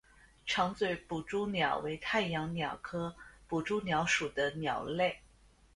长嘴捕蛛鸟为太阳鸟科捕蛛鸟属的鸟类。